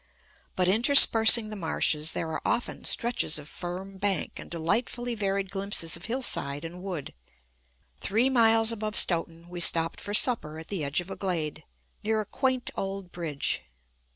But interspersing the marshes there are often stretches of firm bank and delightfully varied glimpses of hillside and wood. Three miles above Stoughton, we stopped for supper at the edge of a glade, near a quaint old bridge.